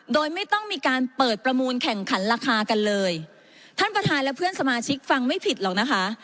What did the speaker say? โดยไม่ต้องมีการเปิดประมูลแข่งขันราคากันเลยท่านประธานและเพื่อนสมาชิกฟังไม่ผิดหรอกนะคะ